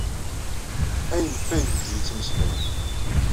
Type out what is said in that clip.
Ayen ɣef wayeg d-yettmeslay.